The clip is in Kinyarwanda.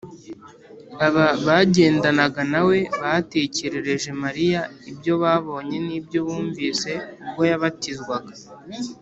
. Aba bagendanaga na we batekerereje Mariya ibyo babonye n’ibyo bumvise ubwo yabatizwaga,